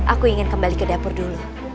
aku ingin kembali ke dapur dulu